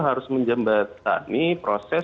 harus menjembatani proses